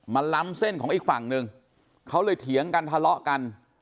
ล้ำเส้นของอีกฝั่งหนึ่งเขาเลยเถียงกันทะเลาะกัน